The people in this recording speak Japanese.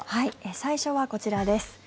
最初はこちらです。